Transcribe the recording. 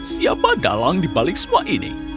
siapa dalang dibalik semua ini